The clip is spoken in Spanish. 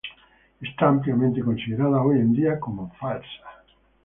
Está ampliamente considerada hoy en día como falsa.